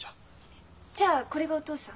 えっじゃあこれがお父さん？